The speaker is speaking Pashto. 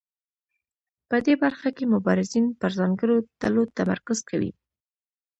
په دې برخه کې مبارزین پر ځانګړو ډلو تمرکز کوي.